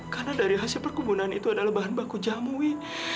karena dari hasil perkebunan itu adalah bahan baku jam wi